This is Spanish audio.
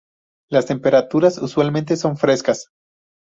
Las temperaturas usualmente son frescas.